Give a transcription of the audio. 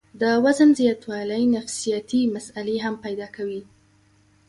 د وزن زياتوالے نفسياتي مسئلې هم پېدا کوي